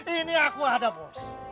ini aku ada bos